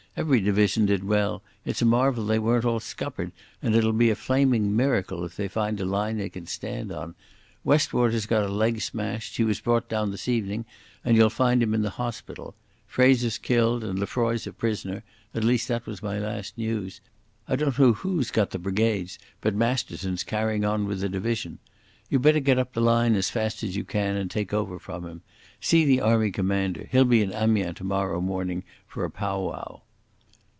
Every division did well. It's a marvel they weren't all scuppered, and it'll be a flaming miracle if they find a line they can stand on. Westwater's got a leg smashed. He was brought down this evening, and you'll find him in the hospital. Fraser's killed and Lefroy's a prisoner—at least, that was my last news. I don't know who's got the brigades, but Masterton's carrying on with the division.... You'd better get up the line as fast as you can and take over from him. See the Army Commander. He'll be in Amiens tomorrow morning for a pow wow."